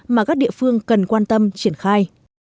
mà các địa phương cần quan tâm triển khai